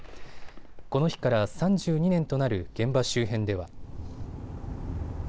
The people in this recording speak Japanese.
この日から３２年となる現場周辺では。